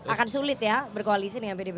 akan sulit ya berkoalisi dengan pdip